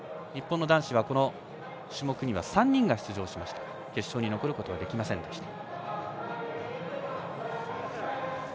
日本の男子はこの種目に３人が出場しましたが決勝に残ることはできませんでした。